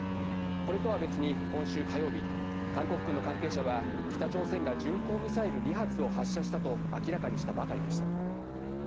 これとは別に今週火曜日、韓国軍の関係者は北朝鮮が巡航ミサイル２発を発射したと明らかにしたばかりでした。